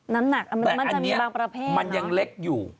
น้ำหนักมันจะมีบางประแพทย์เนอะแต่อันนี้มันยังเล็กอยู่